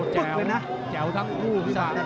แจ๋วแจ๋วทั้งคู่